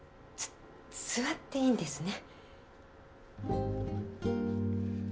す座っていいんですね？